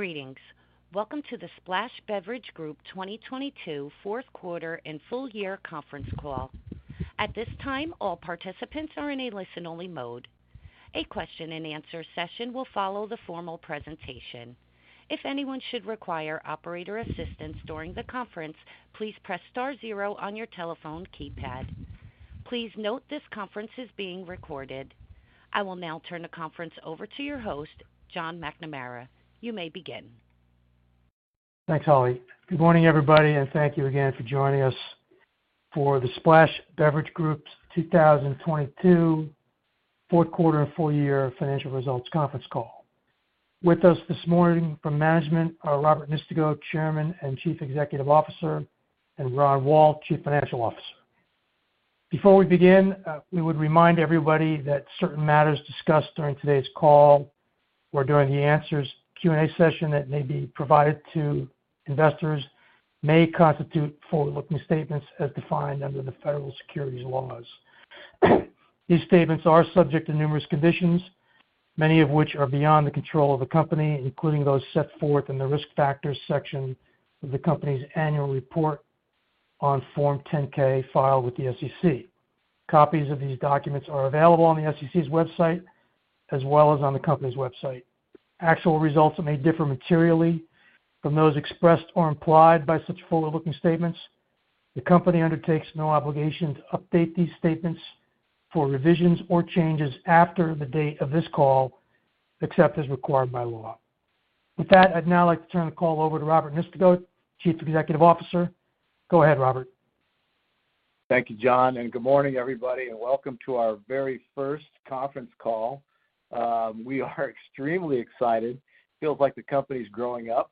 Greetings. Welcome to the Splash Beverage Group 2022 fourth quarter and full year conference call. At this time, all participants are in a listen-only mode. A question and answer session will follow the formal presentation. If anyone should require operator assistance during the conference, please press star zero on your telephone keypad. Please note this conference is being recorded. I will now turn the conference over to your host, John McNamara. You may begin. Thanks, Holly. Good morning, everybody. Thank you again for joining us for the Splash Beverage Group's 2022 fourth quarter and full year financial results conference call. With us this morning from management are Robert Nistico, Chairman and Chief Executive Officer, and Ron Wall, Chief Financial Officer. Before we begin, we would remind everybody that certain matters discussed during today's call or during the answers Q&A session that may be provided to investors may constitute forward-looking statements as defined under the federal securities laws. These statements are subject to numerous conditions, many of which are beyond the control of the company, including those set forth in the Risk Factors section of the company's annual report on Form 10-K filed with the SEC. Copies of these documents are available on the SEC's website, as well as on the company's website. Actual results may differ materially from those expressed or implied by such forward-looking statements. The company undertakes no obligation to update these statements for revisions or changes after the date of this call, except as required by law. I'd now like to turn the call over to Robert Nistico, Chief Executive Officer. Go ahead, Robert. Thank you, John, and good morning, everybody, and welcome to our very first conference call. We are extremely excited. Feels like the company's growing up.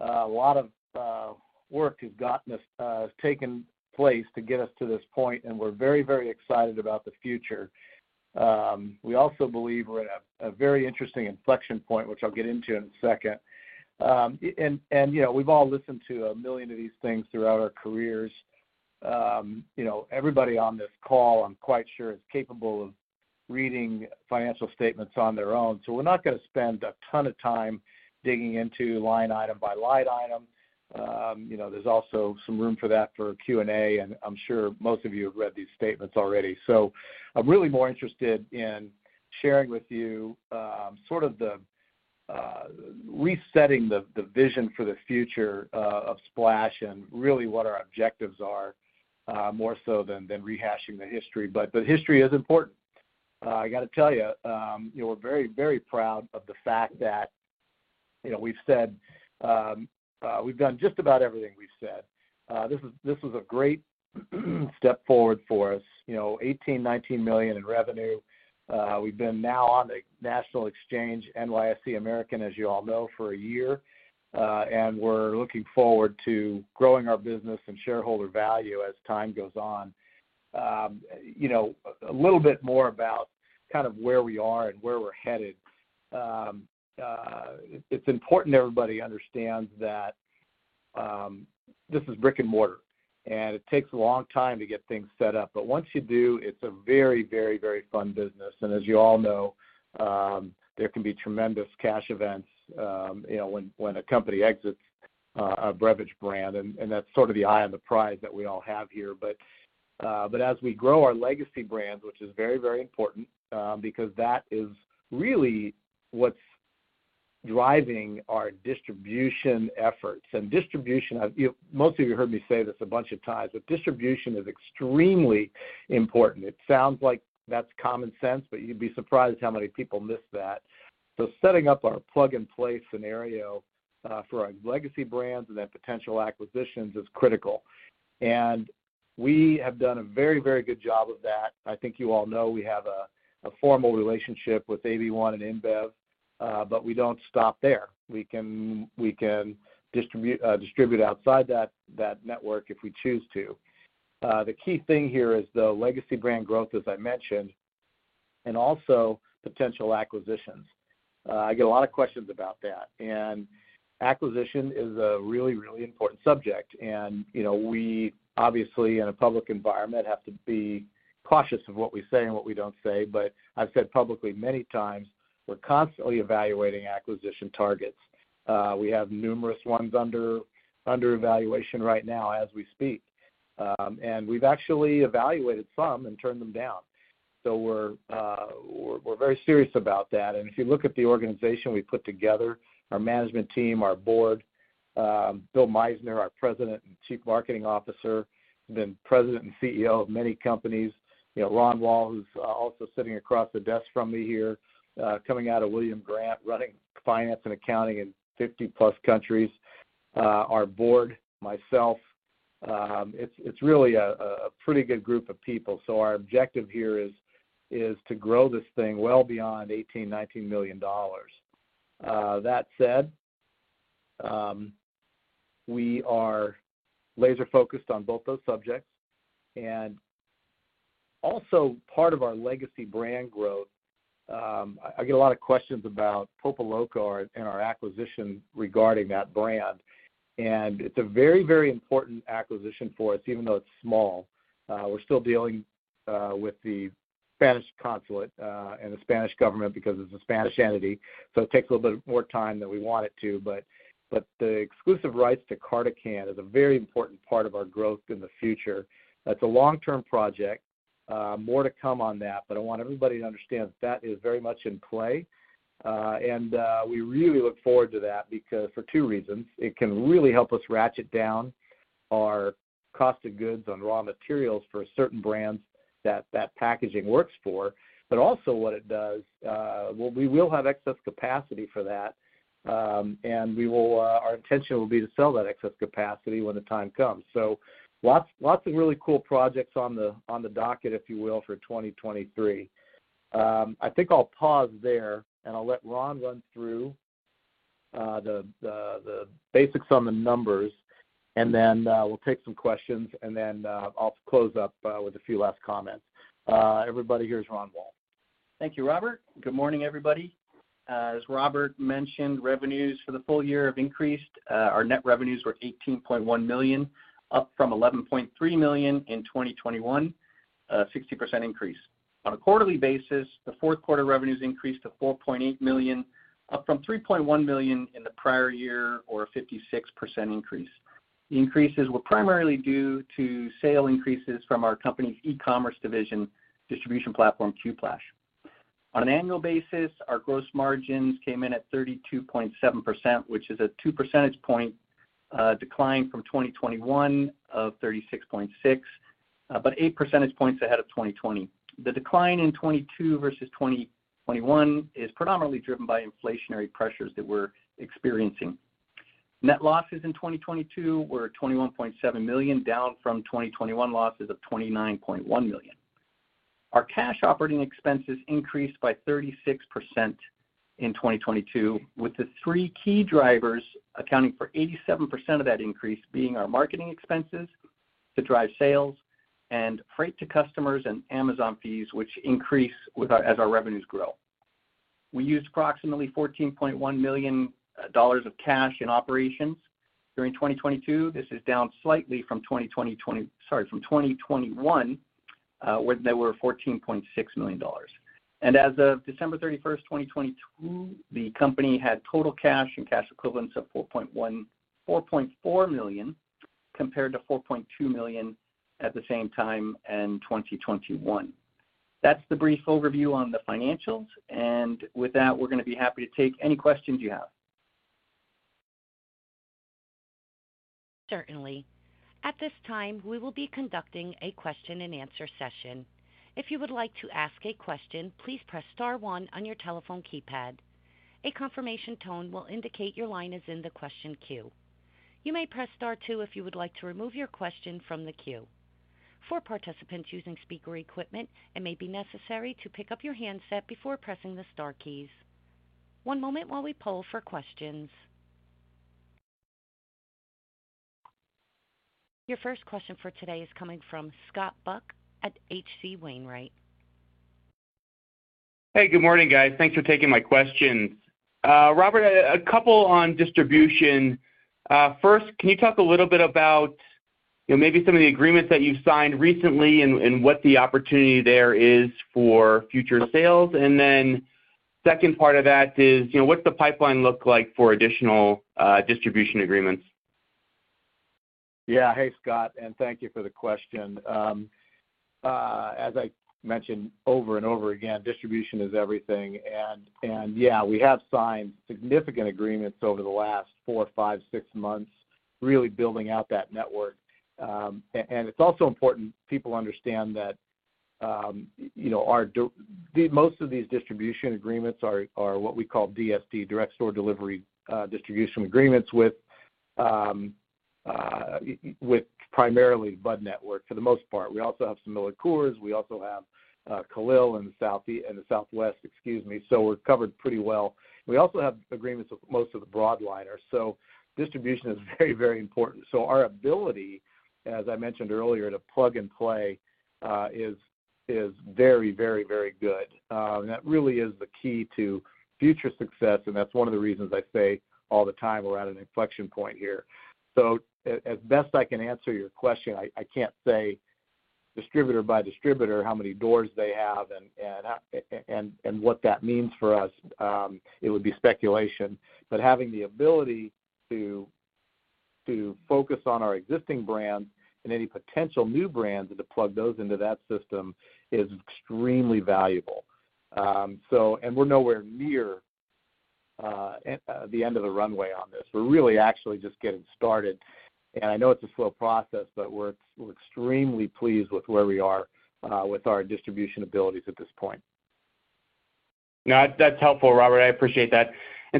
A lot of work has taken place to get us to this point, and we're very, very excited about the future. We also believe we're at a very interesting inflection point, which I'll get into in a second. You know, we've all listened to a million of these things throughout our careers. You know, everybody on this call, I'm quite sure, is capable of reading financial statements on their own. We're not gonna spend a ton of time digging into line item by line item. You know, there's also some room for that for Q&A, and I'm sure most of you have read these statements already. I'm really more interested in sharing with you, sort of the, resetting the vision for the future of Splash and really what our objectives are, more so than rehashing the history. History is important. I got to tell you know, we're very, very proud of the fact that, you know, we've said, we've done just about everything we've said. This is a great step forward for us. You know, $18 million-$19 million in revenue. We've been now on the national exchange, NYSE American, as you all know, for a year, and we're looking forward to growing our business and shareholder value as time goes on. You know, a little bit more about kind of where we are and where we're headed. It's important everybody understands that this is brick and mortar, and it takes a long time to get things set up. Once you do, it's a very, very, very fun business. As you all know, there can be tremendous cash events, you know, when a company exits a beverage brand, and that's sort of the eye on the prize that we all have here. As we grow our legacy brands, which is very, very important, because that is really what's driving our distribution efforts. Distribution, most of you heard me say this a bunch of times, but distribution is extremely important. It sounds like that's common sense, but you'd be surprised how many people miss that. Setting up our plug-and-play scenario for our legacy brands and then potential acquisitions is critical. We have done a very, very good job of that. I think you all know we have a formal relationship with AB InBev, we don't stop there. We can distribute outside that network if we choose to. The key thing here is the legacy brand growth, as I mentioned, also potential acquisitions. I get a lot of questions about that. Acquisition is a really important subject. You know, we obviously in a public environment have to be cautious of what we say and what we don't say. I've said publicly many times, we're constantly evaluating acquisition targets. We have numerous ones under evaluation right now as we speak. We've actually evaluated some and turned them down. We're very serious about that. If you look at the organization we put together, our management team, our board, Bill Meissner, our President and Chief Marketing Officer, been president and CEO of many companies. You know, Ron Wall, who's also sitting across the desk from me here, coming out of William Grant, running finance and accounting in 50 plus countries. Our board, myself, it's really a pretty good group of people. Our objective here is to grow this thing well beyond $18 million-$19 million. That said, we are laser focused on both those subjects. Also part of our legacy brand growth, I get a lot of questions about Pulpoloco and our acquisition regarding that brand. It's a very, very important acquisition for us, even though it's small. We're still dealing with the Spanish consulate and the Spanish government because it's a Spanish entity. It takes a little bit more time than we want it to. The exclusive rights to CartoCan is a very important part of our growth in the future. That's a long-term project. More to come on that, I want everybody to understand that is very much in play. We really look forward to that because for two reasons. It can really help us ratchet down our cost of goods on raw materials for certain brands that packaging works for. Also what it does, well, we will have excess capacity for that, and we will, our intention will be to sell that excess capacity when the time comes. Lots of really cool projects on the docket, if you will, for 2023. I think I'll pause there, and I'll let Ron run through, the basics on the numbers, and then we'll take some questions, and then I'll close up with a few last comments. Everybody, here's Ron Wall. Thank you, Robert. Good morning, everybody. As Robert mentioned, revenues for the full year have increased. Our net revenues were $18.1 million, up from $11.3 million in 2021, a 60% increase. On a quarterly basis, the fourth quarter revenues increased to $4.8 million, up from $3.1 million in the prior year or a 56% increase. The increases were primarily due to sale increases from our company's e-commerce division distribution platform, Qplash. On an annual basis, our gross margins came in at 32.7%, which is a two percentage point decline from 2021 of 36.6%, but eight percentage points ahead of 2020. The decline in 2022 versus 2021 is predominantly driven by inflationary pressures that we're experiencing. Net losses in 2022 were $21.7 million, down from 2021 losses of $29.1 million. Our cash operating expenses increased by 36% in 2022, with the three key drivers accounting for 87% of that increase being our marketing expenses to drive sales and freight to customers and Amazon fees, which increase as our revenues grow. We used approximately $14.1 million of cash in operations during 2022. This is down slightly from 2021, when they were $14.6 million. As of December 31, 2022, the company had total cash and cash equivalents of $4.4 million compared to $4.2 million at the same time in 2021. That's the brief overview on the financials. With that, we're gonna be happy to take any questions you have. Certainly. At this time, we will be conducting a question-and-answer session. If you would like to ask a question, please press star one on your telephone keypad. A confirmation tone will indicate your line is in the question queue. You may press Star two if you would like to remove your question from the queue. For participants using speaker equipment, it may be necessary to pick up your handset before pressing the star keys. One moment while we poll for questions. Your first question for today is coming from Scott Buck at H.C. Wainwright. Hey, good morning, guys. Thanks for taking my questions. Robert, a couple on distribution. First, can you talk a little bit about, you know, maybe some of the agreements that you've signed recently and what the opportunity there is for future sales? Second part of that is, you know, what's the pipeline look like for additional distribution agreements? Yeah. Hey, Scott, thank you for the question. As I mentioned over and over again, distribution is everything. Yeah, we have signed significant agreements over the last four, five, six months, really building out that network. It's also important people understand that, you know, most of these distribution agreements are what we call DSD, direct store delivery, distribution agreements with primarily AB ONE for the most part. We also have similar Coors. We also have KEHI in the Southwest, excuse me. We're covered pretty well. We also have agreements with most of the broadliners. Distribution is very important. Our ability, as I mentioned earlier, to plug-and-play is very good. That really is the key to future success, and that's one of the reasons I say all the time we're at an inflection point here. As best I can answer your question, I can't say distributor by distributor how many doors they have and what that means for us. It would be speculation. Having the ability to focus on our existing brands and any potential new brands and to plug those into that system is extremely valuable. We're nowhere near the end of the runway on this. We're really actually just getting started. I know it's a slow process, but we're extremely pleased with where we are with our distribution abilities at this point. No, that's helpful, Robert. I appreciate that.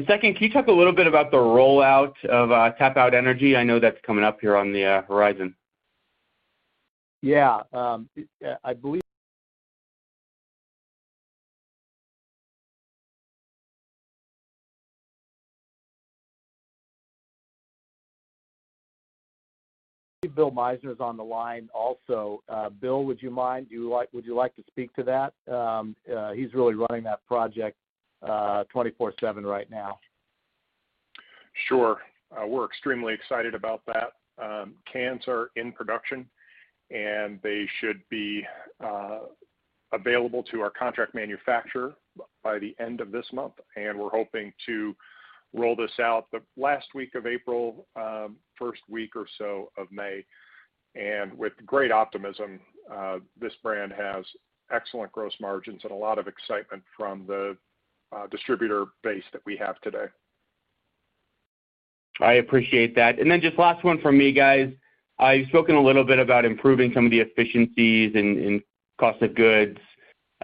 Second, can you talk a little bit about the rollout of TapouT Energy? I know that's coming up here on the horizon. Yeah. I believe Bill Meissner is on the line also. Bill, would you mind? Would you like to speak to that? He's really running that project, 24/7 right now. Sure. We're extremely excited about that. Cans are in production, and they should be available to our contract manufacturer by the end of this month, and we're hoping to roll this out the last week of April, first week or so of May. With great optimism, this brand has excellent gross margins and a lot of excitement from the distributor base that we have today. I appreciate that. Just last one from me, guys. I've spoken a little bit about improving some of the efficiencies and cost of goods,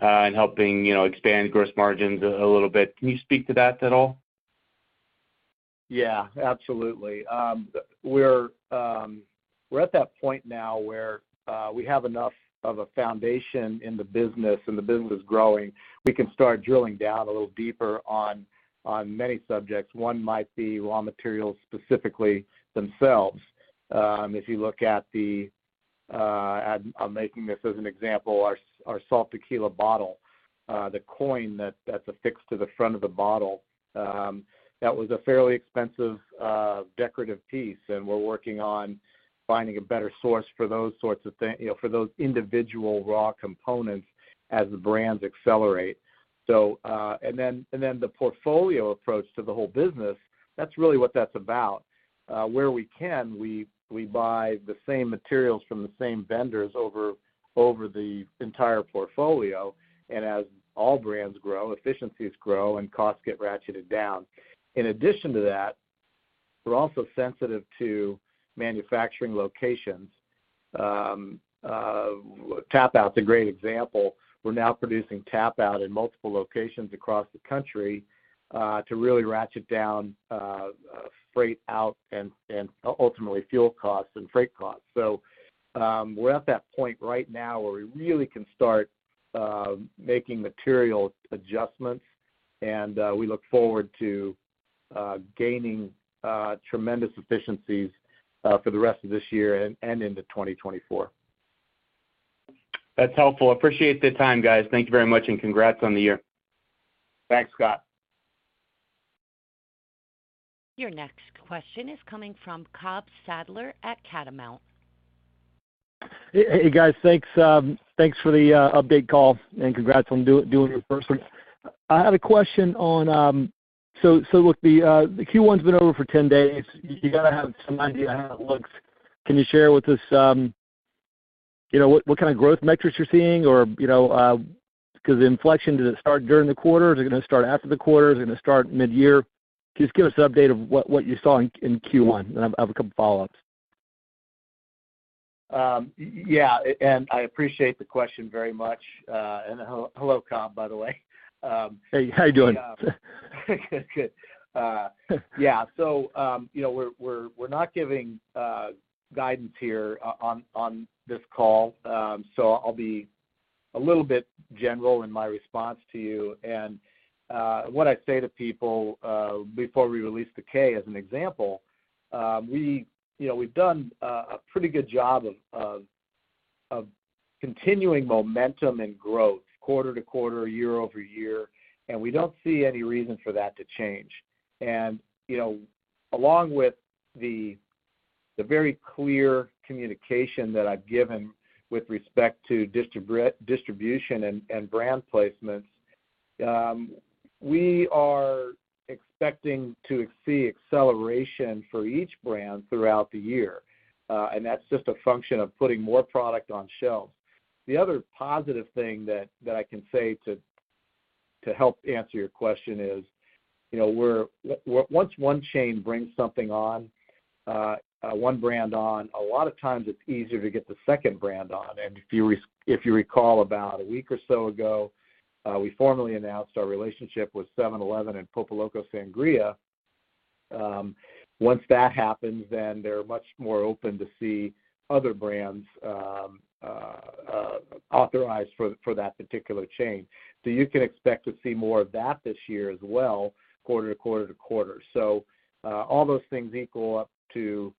helping, you know, expand gross margins a little bit. Can you speak to that at all? Yeah, absolutely. We're at that point now where we have enough of a foundation in the business, and the business is growing. We can start drilling down a little deeper on many subjects. One might be raw materials, specifically themselves. If you look at the, I'm making this as an example, our SALT tequila bottle, the coin that's affixed to the front of the bottle, that was a fairly expensive decorative piece, and we're working on finding a better source for those sorts of you know, for those individual raw components as the brands accelerate. The portfolio approach to the whole business, that's really what that's about. where we can, we buy the same materials from the same vendors over the entire portfolio. As all brands grow, efficiencies grow and costs get ratcheted down. In addition to that, we're also sensitive to manufacturing locations. TapouT's a great example. We're now producing TapouT in multiple locations across the country, to really ratchet down freight out and ultimately fuel costs and freight costs. We're at that point right now where we really can start making material adjustments, and we look forward to gaining tremendous efficiencies for the rest of this year and into 2024. That's helpful. Appreciate the time, guys. Thank you very much, and congrats on the year. Thanks, Scott. Your next question is coming from Cobb Sadler at Catamount. Hey, guys. Thanks, thanks for the update call, and congrats on doing your first one. I had a question on... Look, the Q1's been over for 10 days. You gotta have some idea how it looks. Can you share with us, you know, what kind of growth metrics you're seeing or, you know, 'cause the inflection? Does it start during the quarter? Is it gonna start after the quarter? Is it gonna start midyear? Just give us an update of what you saw in Q1. I've a couple follow-ups. I appreciate the question very much. Hello, Cobb, by the way. Hey, how you doing? Good. Yeah. So, you know, we're not giving guidance here on this call, so I'll be a little bit general in my response to you. What I say to people, before we release the 10-K as an example, we, you know, we've done a pretty good job of continuing momentum and growth quarter-to-quarter, year-over-year, and we don't see any reason for that to change. Along with the very clear communication that I've given with respect to distribution and brand placements, we are expecting to see acceleration for each brand throughout the year, and that's just a function of putting more product on shelves. The other positive thing that I can say to help answer your question is, you know, once one chain brings something on, one brand on, a lot of times it's easier to get the second brand on. If you recall about a week or so ago, we formally announced our relationship with 7-Eleven and Pulpoloco Sangria. Once that happens, they're much more open to see other brands authorized for that particular chain. You can expect to see more of that this year as well, quarter to quarter to quarter. All those things equal up to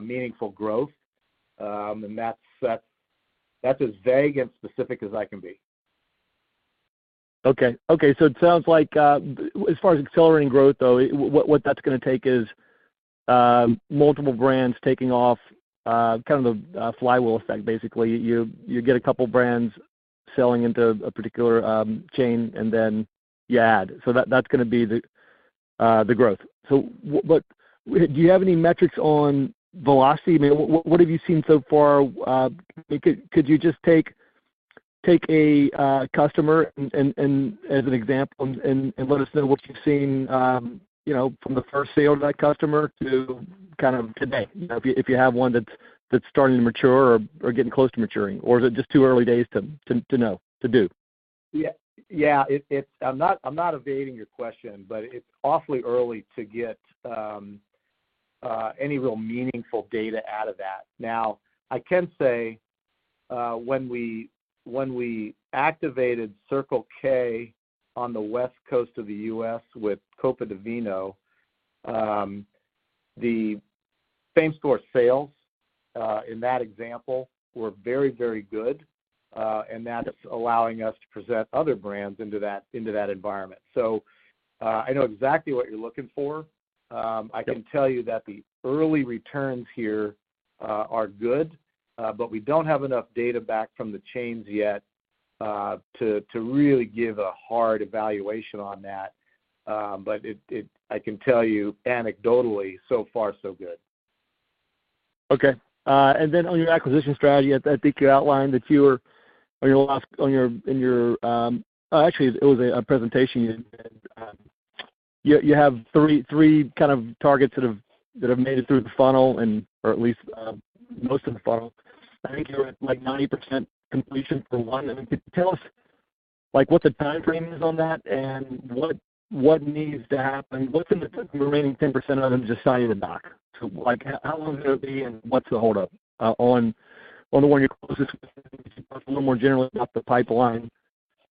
meaningful growth, and that's as vague and specific as I can be. Okay. Okay, it sounds like as far as accelerating growth, though, what that's gonna take is multiple brands taking off, kind of the flywheel effect, basically. You get a couple brands selling into a particular chain and then you add. That's gonna be the growth. But do you have any metrics on velocity? I mean, what have you seen so far? Could you just take a customer and as an example and let us know what you've seen, you know, from the first sale to that customer to kind of today? You know, if you have one that's starting to mature or getting close to maturing, or is it just too early days to know, to do? Yeah. Yeah. It's I'm not evading your question, but it's awfully early to get any real meaningful data out of that. Now, I can say when we, when we activated Circle K on the West Coast of the U.S. with Copa di Vino, the same-store sales in that example were very, very good, and that is allowing us to present other brands into that, into that environment. I know exactly what you're looking for. Yep. I can tell you that the early returns here are good, but we don't have enough data back from the chains yet to really give a hard evaluation on that. I can tell you anecdotally, so far so good. Okay. On your acquisition strategy, I think you outlined that you were on your last, on your, in your, actually it was a presentation you did. You have three kind of targets that have made it through the funnel and, or at least, most of the funnel. I think you're at, like, 90% completion for one. I mean, could you tell us, like, what the timeframe is on that and what needs to happen? What's in the remaining 10% of them to sign the dock? Like, how long is it gonna be and what's the hold up, on the one you're closest to? Just a little more generally about the pipeline,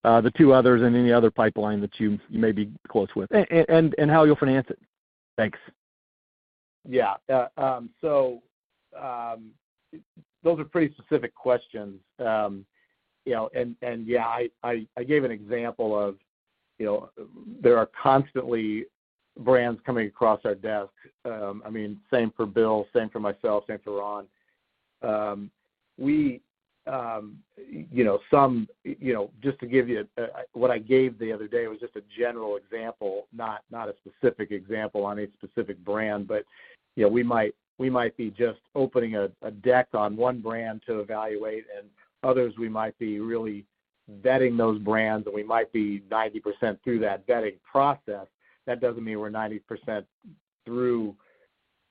the two others and any other pipeline that you may be close with and how you'll finance it. Thanks. Yeah. Those are pretty specific questions. You know, yeah, I gave an example of, you know, there are constantly brands coming across our desk. I mean, same for Bill, same for myself, same for Ron. We, you know, some, you know, just to give you what I gave the other day was just a general example, not a specific example on a specific brand. You know, we might be just opening a deck on one brand to evaluate, and others we might be really vetting those brands, and we might be 90% through that vetting process. That doesn't mean we're 90% through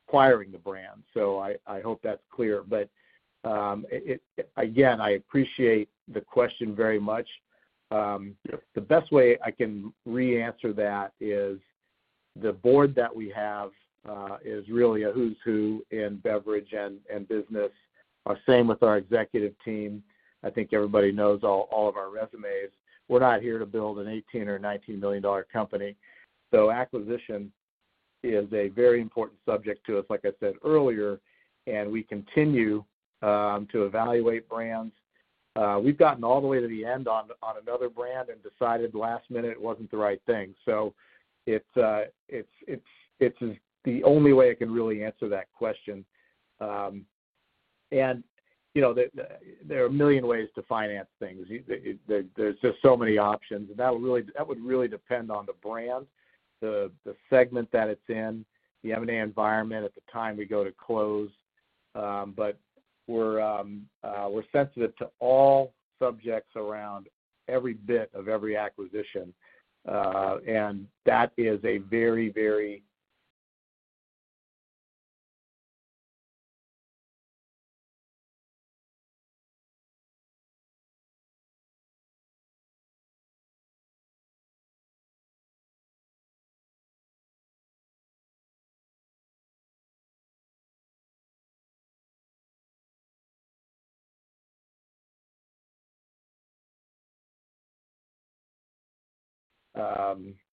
acquiring the brand. I hope that's clear. Again, I appreciate the question very much. Yep. The best way I can re-answer that is the board that we have, is really a who's who in beverage and business. Same with our executive team. I think everybody knows all of our resumes. We're not here to build an $18 million or $19 million company. Acquisition is a very important subject to us, like I said earlier, and we continue to evaluate brands. We've gotten all the way to the end on another brand and decided last minute it wasn't the right thing. It's, it's the only way I can really answer that question. And, you know, there are 1 million ways to finance things. There's just so many options, that would really depend on the brand, the segment that it's in, the M&A environment at the time we go to close. We're sensitive to all subjects around every bit of every acquisition. That is a very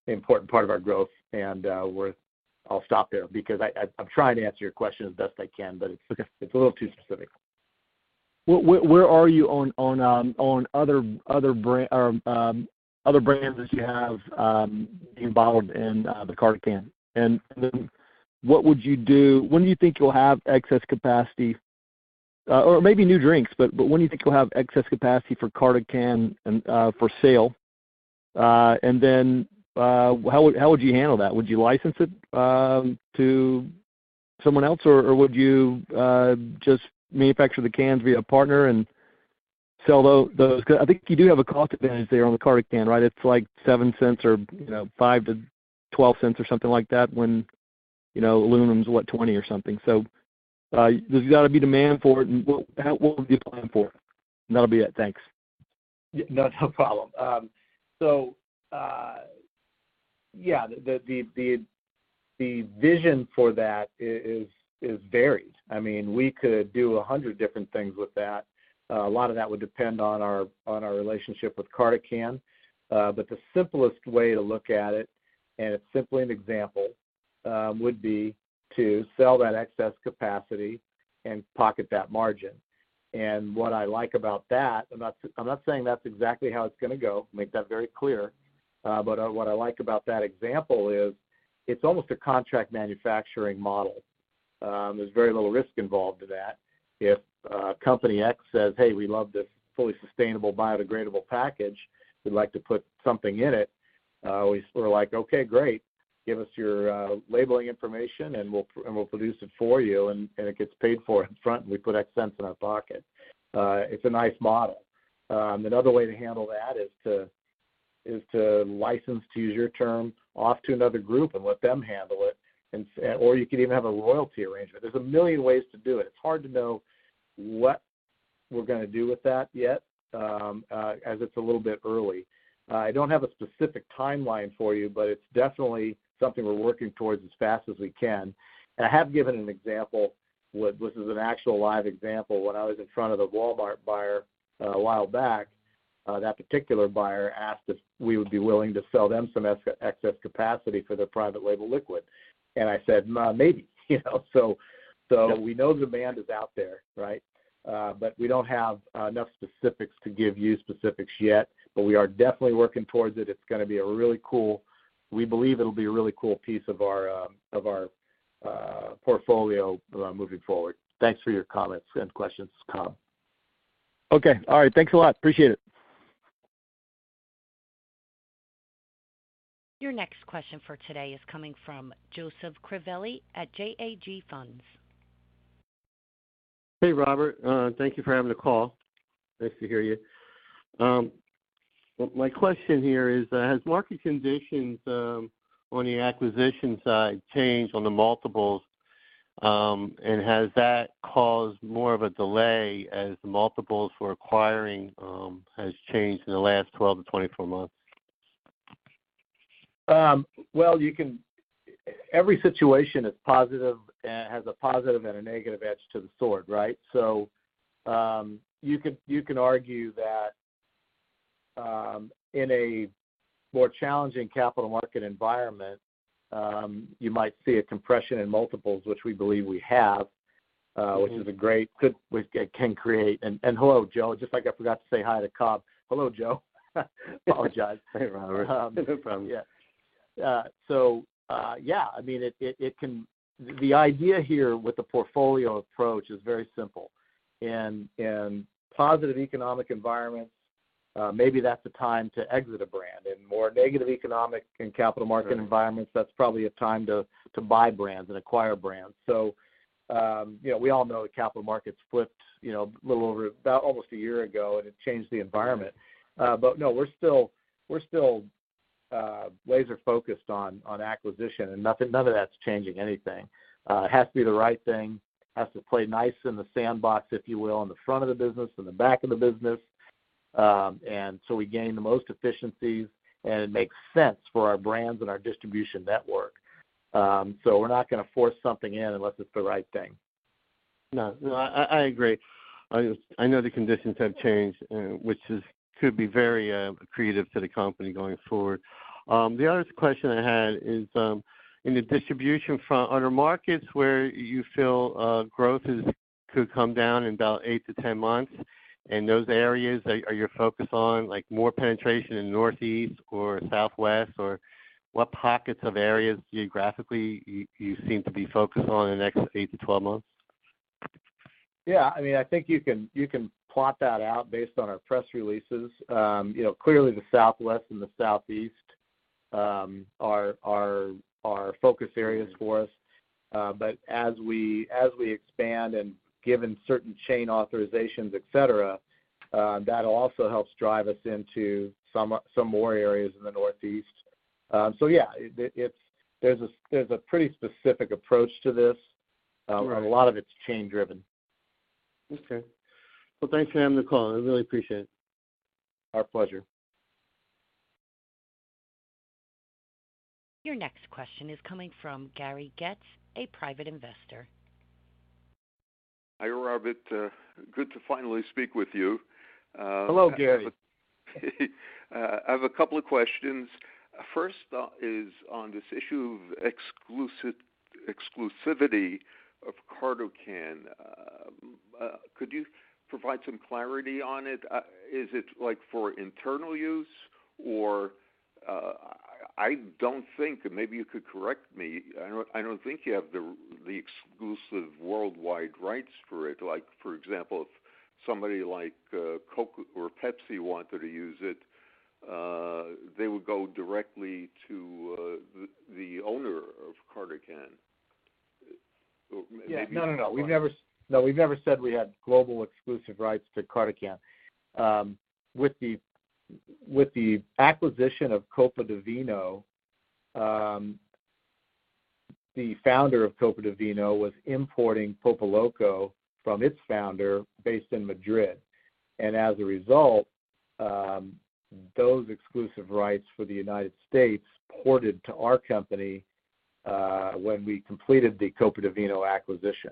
important part of our growth. We're. I'll stop there because I'm trying to answer your question as best I can, but it's a little too specific. Where are you on on other brand or other brands that you have being bottled in the CartoCan? When do you think you'll have excess capacity or maybe new drinks, but when do you think you'll have excess capacity for CartoCan and for sale? How would you handle that? Would you license it to someone else, or would you just manufacture the cans via partner and sell those? I think you do have a cost advantage there on the CartoCan, right? It's like $0.07 or, you know, $0.05-$0.12 or something like that when, you know, aluminum's, what, $0.20 or something. There's gotta be demand for it, and what, how, what would you plan for it? That'll be it. Thanks. Yeah. No, no problem. Yeah, the vision for that is varied. I mean, we could do 100 different things with that. A lot of that would depend on our relationship with CartoCan. The simplest way to look at it, and it's simply an example, would be to sell that excess capacity and pocket that margin. What I like about that, I'm not saying that's exactly how it's gonna go, make that very clear. What I like about that example is it's almost a contract manufacturing model. There's very little risk involved to that. If company X says, "Hey, we love this fully sustainable biodegradable package. We'd like to put something in it." We're sort of like, "Okay, great. Give us your labeling information, and we'll produce it for you," and it gets paid for up front, and we put X cents in our pocket. It's a nice model. Another way to handle that is to license, to use your term, off to another group and let them handle it. You could even have a royalty arrangement. There's a million ways to do it. It's hard to know what we're gonna do with that yet, as it's a little bit early. I don't have a specific timeline for you, but it's definitely something we're working towards as fast as we can. I have given an example, which is an actual live example, when I was in front of the Walmart buyer a while back. That particular buyer asked if we would be willing to sell them some excess capacity for their private label liquid. I said, "maybe," you know. Yeah. We know demand is out there, right? We don't have enough specifics to give you specifics yet, but we are definitely working towards it. We believe it'll be a really cool piece of our portfolio moving forward. Thanks for your comments and questions, Cobb. Okay. All right. Thanks a lot. Appreciate it. Your next question for today is coming from Joseph Crivelli at Jag Funds. Hey, Robert. Thank you for having the call. Nice to hear you. My question here is, has market conditions on the acquisition side changed on the multiples, and has that caused more of a delay as the multiples for acquiring has changed in the last 12 to 24 months? Well, you can... Every situation is positive, has a positive and a negative edge to the sword, right? You can argue that in a more challenging capital market environment, you might see a compression in multiples, which we believe we have. Mm-hmm. which is a great, good, we can create. Hello, Joe. Just like I forgot to say hi to Cobb. Hello, Joe. Apologize. Hey, Robert. No problem. yeah. Yeah, I mean, it can... The idea here with the portfolio approach is very simple. In positive economic environments, maybe that's the time to exit a brand. In more negative economic and capital market environments- Sure. That's probably a time to buy brands and acquire brands. You know, we all know the capital markets flipped, you know, a little over, about almost a year ago, and it changed the environment. No, we're still laser focused on acquisition and none of that's changing anything. It has to be the right thing. It has to play nice in the sandbox, if you will, in the front of the business, in the back of the business. We gain the most efficiencies, and it makes sense for our brands and our distribution network. We're not gonna force something in unless it's the right thing. No, I agree. I know the conditions have changed, which is, could be very accretive to the company going forward. The other question I had is, in the distribution front, are there markets where you feel growth is, could come down in about 8 to 10 months? In those areas, are you focused on, like, more penetration in Northeast or Southwest? What pockets of areas geographically you seem to be focused on in the next 8 to 12 months? Yeah, I mean, I think you can plot that out based on our press releases. You know, clearly the Southwest and the Southeast are focus areas for us. As we expand and given certain chain authorizations, et cetera, that also helps drive us into some more areas in the Northeast. Yeah, it's there's a pretty specific approach to this. Right. A lot of it's chain driven. Okay. Well, thanks for having the call. I really appreciate it. Our pleasure. Your next question is coming from Gary Getz, a Private Investor. Hi, Robert. Good to finally speak with you. Hello, Gary. I have a couple of questions. First, is on this issue of exclusivity of CartoCan. Could you provide some clarity on it? Is it, like, for internal use or, I don't think, and maybe you could correct me, I don't think you have the exclusive worldwide rights for it. Like for example, if somebody like Coke or Pepsi wanted to use it, they would go directly to the owner of CartoCan. Or maybe. Yeah. No, no. We've never... Sorry. No, we've never said we had global exclusive rights to CartoCan. With the acquisition of Copa di Vino, the founder of Copa di Vino was importing Pulpoloco from its founder based in Madrid. As a result, those exclusive rights for the United States ported to our company when we completed the Copa di Vino acquisition.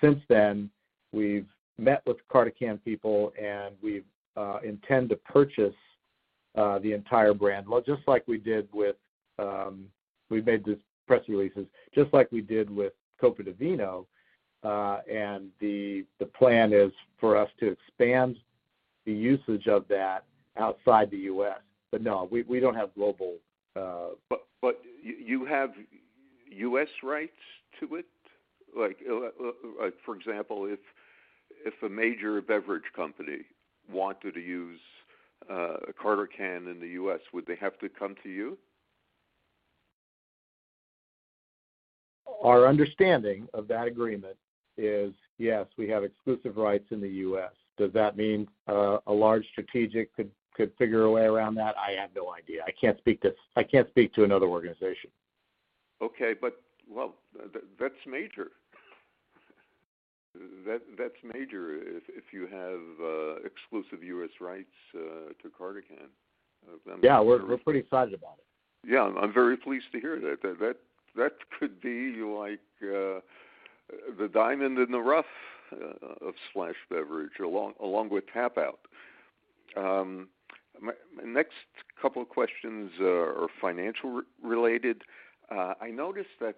Since then, we've met with CartoCan people, and we intend to purchase the entire brand, well, just like we did with we made the press releases, just like we did with Copa di Vino. The plan is for us to expand the usage of that outside the US. No, we don't have global. You have U.S. rights to it? Like, like for example, if a major beverage company wanted to use CartoCan in the U.S., would they have to come to you? Our understanding of that agreement is, yes, we have exclusive rights in the U.S. Does that mean, a large strategic could figure a way around that? I have no idea. I can't speak to another organization. Okay. well, that's major. That's major if you have exclusive U.S. rights to CartoCan. Yeah, we're pretty excited about it. I'm very pleased to hear that. That could be like the diamond in the rough of Splash Beverage along with TapouT. My next couple of questions are financial re-related. I noticed that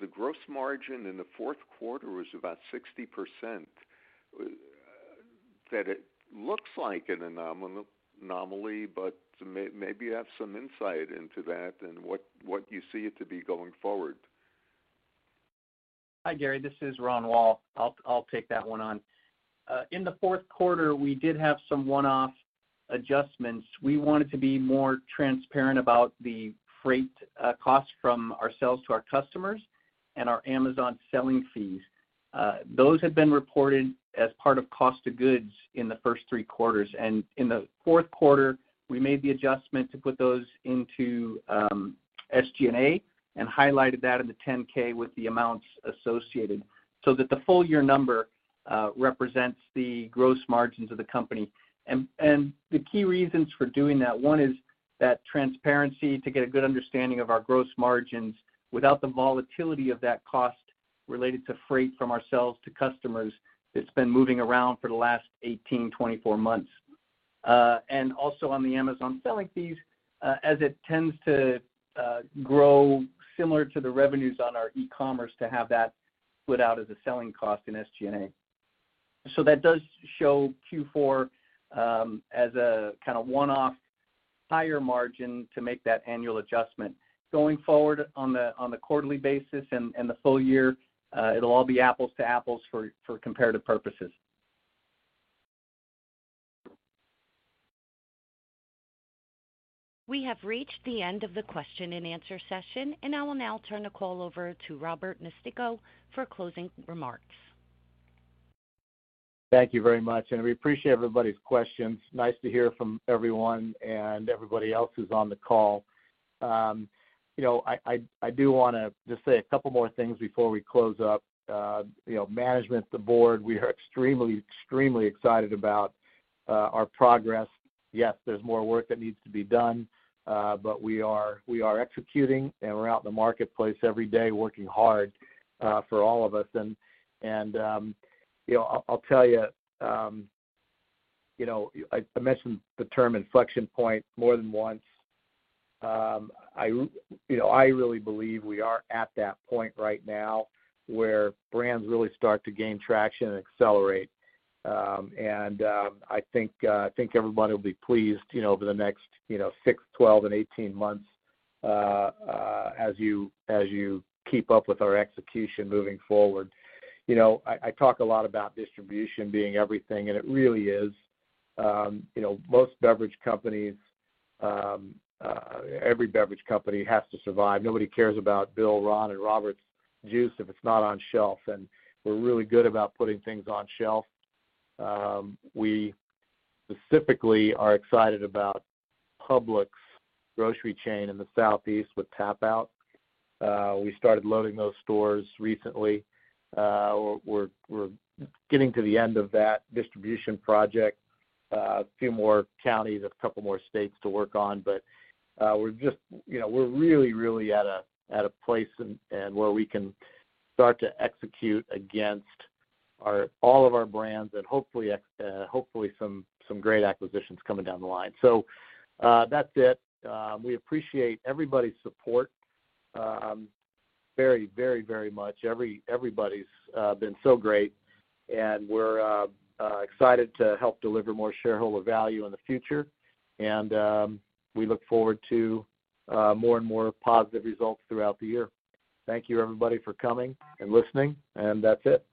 the gross margin in the fourth quarter was about 60%. That it looks like an anomaly, but maybe you have some insight into that and what you see it to be going forward. Hi, Gary, this is Ron Wall. I'll take that one on. In the fourth quarter, we did have some one-off adjustments. We wanted to be more transparent about the freight cost from ourselves to our customers and our Amazon selling fees. Those had been reported as part of cost of goods in the first three quarters. In the fourth quarter, we made the adjustment to put those into SG&A and highlighted that in the 10-K with the amounts associated so that the full year number represents the gross margins of the company. The key reasons for doing that, one is that transparency to get a good understanding of our gross margins without the volatility of that cost related to freight from ourselves to customers that's been moving around for the last 18, 24 months. On the Amazon selling fees, as it tends to, grow similar to the revenues on our e-commerce to have that put out as a selling cost in SG&A. That does show Q4, as a kinda one-off higher margin to make that annual adjustment. Going forward on the, on the quarterly basis and the full year, it'll all be apples to apples for comparative purposes. We have reached the end of the question-and-answer session, and I will now turn the call over to Robert Nistico for closing remarks. Thank you very much. We appreciate everybody's questions. Nice to hear from everyone and everybody else who's on the call. You know, I do wanna just say a couple more things before we close up. You know, management, the board, we are extremely excited about our progress. Yes, there's more work that needs to be done. We are executing, and we're out in the marketplace every day working hard for all of us. You know, I'll tell you know, I mentioned the term inflection point more than once. I, you know, I really believe we are at that point right now where brands really start to gain traction and accelerate. I think everybody will be pleased, you know, over the next, you know, six, 12, and 18 months, as you keep up with our execution moving forward. You know, I talk a lot about distribution being everything, and it really is. You know, most beverage companies, every beverage company has to survive. Nobody cares about Bill, Ron, and Robert's juice if it's not on shelf. We're really good about putting things on shelf. We specifically are excited about Publix grocery chain in the southeast with TapouT. We started loading those stores recently. We're getting to the end of that distribution project, a few more counties, a couple more states to work on, but, we're just, you know, we're really at a place and where we can start to execute against all of our brands and hopefully some great acquisitions coming down the line. That's it. We appreciate everybody's support very, very, very much. Everybody's been so great, and we're excited to help deliver more shareholder value in the future. We look forward to more and more positive results throughout the year. Thank you, everybody, for coming and listening, and that's it.